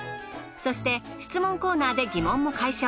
そして質問コーナーで疑問も解消。